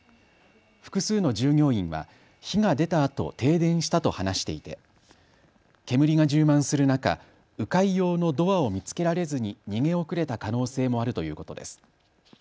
複数の従業員は火が出たあと停電したと話していて煙が充満する中、う回用のドアを見つけられずに逃げ遅れた可能性もあるということです。